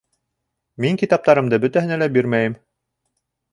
Мин китаптарымды бөтәһенә лә бирмәйем